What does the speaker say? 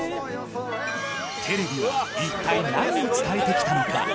テレビは一体何を伝えてきたのか。